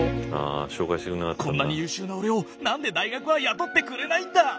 こんなに優秀な俺を何で大学は雇ってくれないんだ！